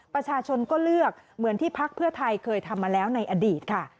ประชาชนก็เลือกเหมือนที่พักเพื่อไทยเคยทำมาแล้วในอดีตค่ะ